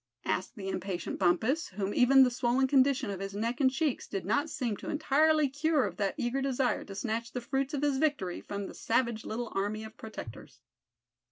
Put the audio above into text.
asked the impatient Bumpus, whom even the swollen condition of his neck and cheeks did not seem to entirely cure of that eager desire to snatch the fruits of his victory from the savage little army of protectors.